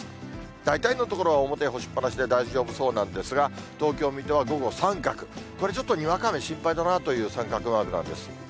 大体の所は表に干しっ放しで大丈夫そうなんですが、東京、水戸は午後三角、これ、ちょっとにわか雨心配だなという三角マークなんです。